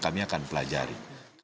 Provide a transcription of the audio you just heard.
kita akan pelajari